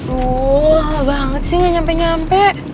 tuh luar banget sih gak nyampe nyampe